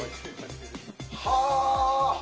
はあ。